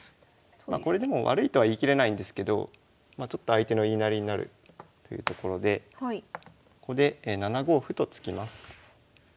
これでも悪いとは言い切れないんですけどちょっと相手の言いなりになるっていうところでここで７五歩と突きます。